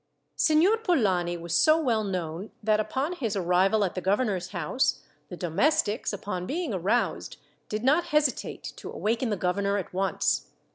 Signor Polani was so well known, that upon his arrival at the governor's house the domestics, upon being aroused, did not hesitate to awaken the governor at once.